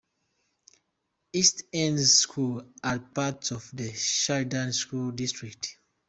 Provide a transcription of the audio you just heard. East End's schools are part of the Sheridan School District.